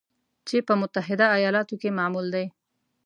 چې په متحده ایالاتو کې معمول دی